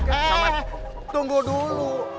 eh tunggu dulu